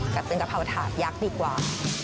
แต่เป็นกะเพราถาดยักษ์ดีกว่า